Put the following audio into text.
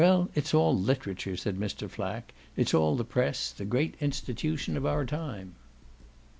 "Well, it's all literature," said Mr. Flack; "it's all the press, the great institution of our time.